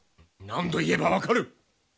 何度言えば分かる！